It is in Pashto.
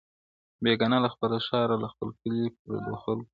• بېګانه له خپله ښاره، له خپل کلي پردو خلکو! -